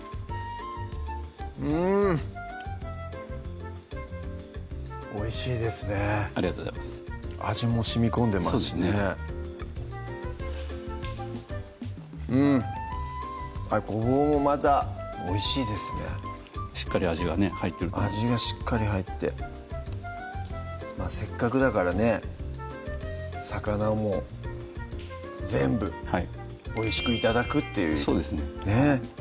うんおいしいですねありがとうございます味もしみこんでますしねそうですねうんごぼうもまたおいしいですねしっかり味がね入ってるので味がしっかり入ってせっかくだからね魚を全部おいしく頂くっていうそうですね